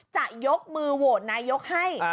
จะยกมือโหวตนายกให้